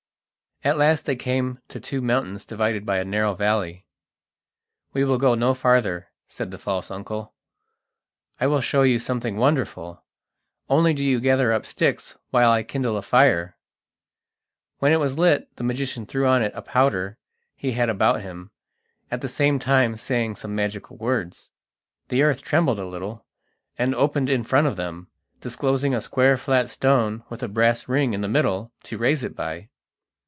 At last they came to two mountains divided by a narrow valley. "We will go no farther," said the false uncle. "I will show you something wonderful; only do you gather up sticks while I kindle a fire." When it was lit the magician threw on it a powder he had about him, at the same time saying some magical words. The earth trembled a little and opened in front of them, disclosing a square flat stone with a brass ring in the middle to raise it by.